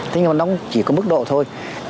thế nhưng mà nó chỉ có mức độ thôi